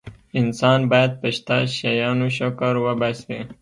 انسان باید په شته شیانو شکر وباسي.